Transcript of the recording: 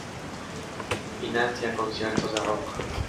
Financia conciertos de rock.